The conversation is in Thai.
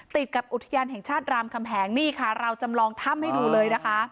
ติดกับอุทยานแห่งชาติรามคำแหงนี่ค่ะเราจำลองถ้ำให้ดูเลยนะคะ